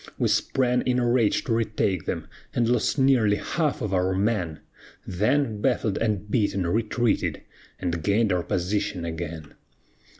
We sprang in a rage to retake them, And lost nearly half of our men; Then, baffled and beaten, retreated, And gained our position again.